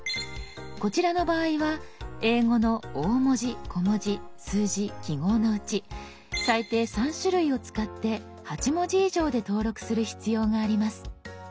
こちらの場合は英語の大文字小文字数字記号のうち最低３種類を使って８文字以上で登録する必要があります。